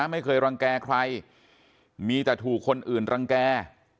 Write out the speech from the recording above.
ไม่เคยรังแก่ใครมีแต่ถูกคนอื่นรังแก่